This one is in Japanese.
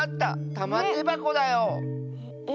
たまてばこだよ。え？